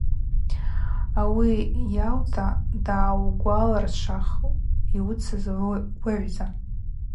Ауи йаута, дгӏаугваларшвах йуыцыз уыгӏвза.